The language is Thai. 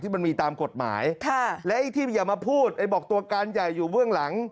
มันมีตามกฎหมายค่ะและไอ้ที่อย่ามาพูดไอ้บอกตัวการใหญ่อยู่เบื้องหลัง